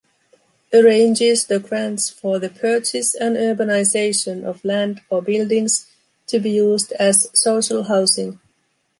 Arranges the grants for the purchase and urbanization of land or buildings to be used as social housing.